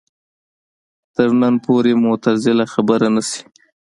تر ننه پورې معتزله خبره نه شي